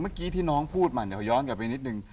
เมื่อกี้ที่น้องพูดมาเดี๋ยวย้อนกลับไปนิดนึง